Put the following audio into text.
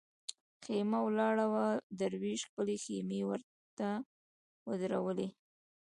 خېمه ولاړه وه دروېش خپلې خېمې ورته ودرولې.